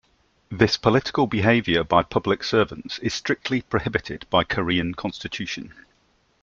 This political behavior by public servants is strictly prohibited by Korean Constitution.